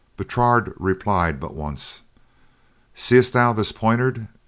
Bertrade replied but once. "Seest thou this poniard?"